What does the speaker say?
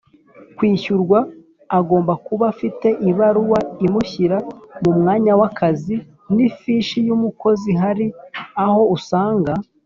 kwishyurwa agomba kuba afite ibaruwa imushyira mu mwanya w akazi n ifishi y umukozi Hari aho usanga